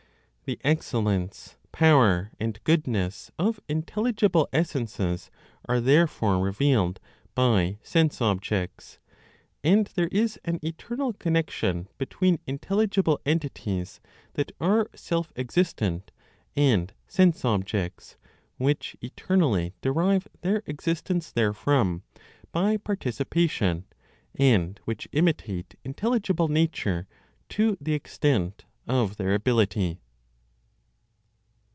The excellence, power and goodness of intelligible (essences) are therefore revealed by sense objects; and there is an eternal connection between intelligible (entities) that are self existent, and sense objects, which eternally derive their existence therefrom by participation, and which imitate intelligible nature to the extent of their ability.